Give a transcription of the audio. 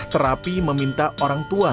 terapi meminta orang tua